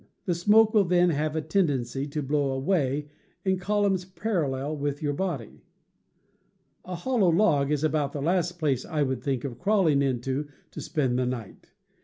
The smoke will then have a tendency to blow away in columns parallel with your body. A hollow log is about the last place I would think of crawling into to spend the night.